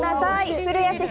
古屋シェフ